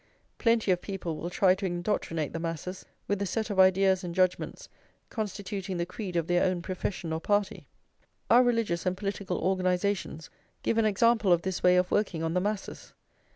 Plenty of people will try to indoctrinate the masses with the set of ideas and judgments constituting the creed of their own profession or party. Our religious and political organisations give an example of this way of working on the masses.